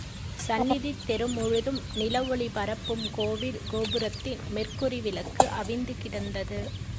சந்நிதித் தெரு முழுதும் நிலவொளி பரப்பும் கோவில் கோபுரத்தின் மெர்க்குரி விளக்கு அவிந்து கிடந்தது.